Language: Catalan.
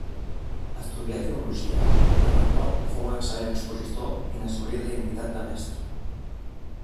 Estudià teologia, en la qual fou un excel·lent expositor i n'assolí la dignitat de mestre.